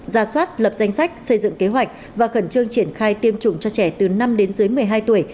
ra soát lập danh sách xây dựng kế hoạch và khẩn trương triển khai tiêm chủng cho trẻ từ năm đến dưới một mươi hai tuổi